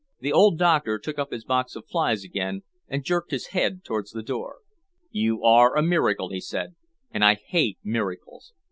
The old doctor took up his box of flies again and jerked his head towards the door. "You are a miracle," he said, "and I hate miracles.